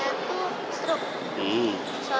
kalau hari sabtu pagi kita